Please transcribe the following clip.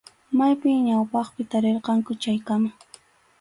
Maypim ñawpaqpi tarirqanku chaykama.